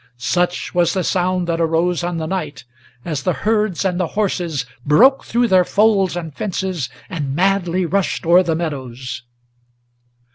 Such was the sound that arose on the night, as the herds and the horses Broke through their folds and fences, and madly rushed o'er the meadows.